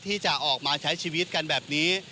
ที่จะออกมาใช้ชีวิตกันแบบนี้